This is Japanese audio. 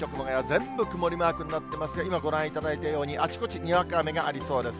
全部曇りマークになってますが、今ご覧いただいたように、あちこちにわか雨がありそうです。